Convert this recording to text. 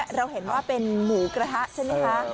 แบบนี้เราเห็นว่าเป็นหมูกระทะใช่ไหมครับ